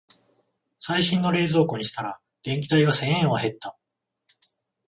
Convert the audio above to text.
最新の冷蔵庫にしたら電気代が千円は減った